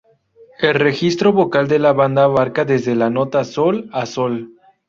El registro vocal de la banda abarca desde la nota "sol" a "sol".